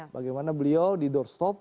bagaimana beliau di doorstop